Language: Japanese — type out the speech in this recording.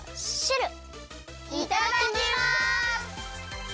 いただきます！